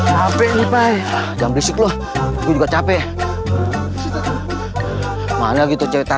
sampai jumpa di video selanjutnya